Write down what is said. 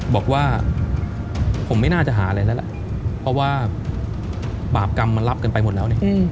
บอกว่าผมไม่น่าจะหาอะไรแล้วล่ะเพราะว่าบาปกรรมมันรับกันไปหมดแล้วเนี่ย